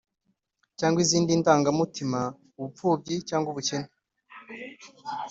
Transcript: cyangwa izindi ndanga mutima ubupfubyi cyangwa ubukene, …